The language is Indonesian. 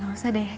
gak usah deh